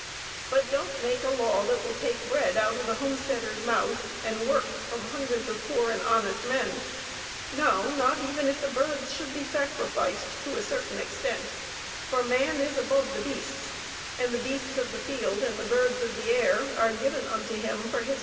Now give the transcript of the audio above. But don't make a law that will take bread out of the homesteader's mouth, and work from hundreds of poor and honest men; no, not even if the birds should be sacrificed, to a certain extent, for man is above the beasts, and the "beasts of the field and the birds of the air" are given unto him for his benefit and his profit.